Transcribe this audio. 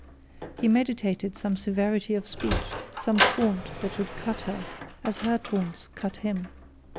He meditated some severity of speech, some taunt that should cut her, as her taunts cut him.